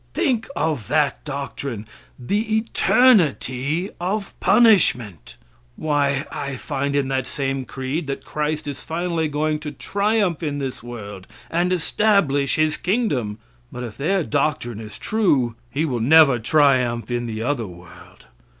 Think of that doctrine! The eternity of punishment! Why, I find in that same creed that Christ is finally going to triumph in this world and establish His kingdom; but if their doctrine is true, He will never triumph in the other world.